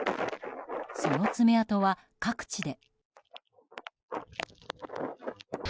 その爪痕は各地で。